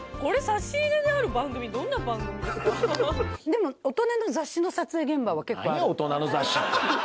でも大人の雑誌の撮影現場は結構ある。